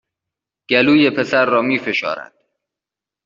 گلوی پسر را می فشارد